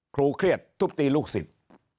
ครูเครียดทุบตีลูกศิษย์